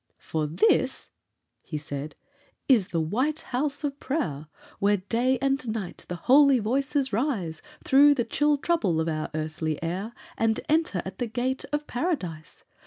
"For this," he said, "is the white house of prayer, Where day and night the holy voices rise Through the chill trouble of our earthly air, And enter at the gate of Paradise.